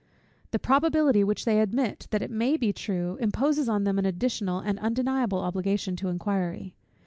The probability which they admit, that it may be true, imposes on them an additional and an undeniable obligation to inquiry.